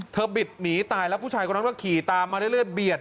บิดหนีตายแล้วผู้ชายคนนั้นก็ขี่ตามมาเรื่อยเบียด